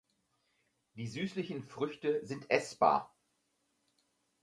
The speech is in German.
Die süßlichen Früchte sind essbar.